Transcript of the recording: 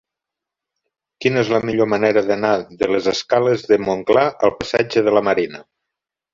Quina és la millor manera d'anar de les escales de Montclar al passatge de la Marina?